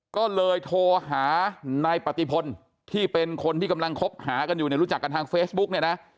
ก็เลยโทรหานายปฏิพลที่เป็นคนที่กำลังคบหากันอยู่เนี่ยรู้จักกันทางเฟซบุ๊กเนี่ยนะ